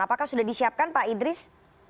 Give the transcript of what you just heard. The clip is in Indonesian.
apakah sudah disiapkan pak idris